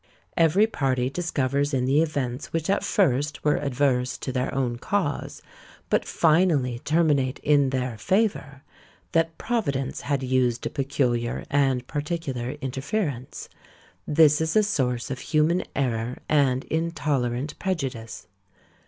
Every party discovers in the events which at first were adverse to their own cause but finally terminate in their favour, that Providence had used a peculiar and particular interference; this is a source of human error and intolerant prejudice.